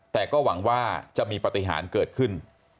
แต่ก็หวังว่าจะมีปฏิหารเกิดขึ้น